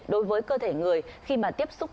đối với cơ thể người khi mà tiếp xúc